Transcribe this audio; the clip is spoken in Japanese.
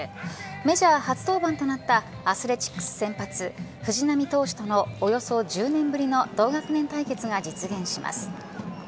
メジャー初登板となったアスレチックス先発藤浪投手とのおよそ１０年ぶりの同学年対決が実現します。